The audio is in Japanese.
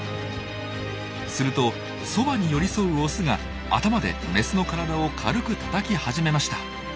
するとそばに寄り添うオスが頭でメスの体を軽くたたき始めました。